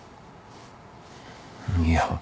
いや。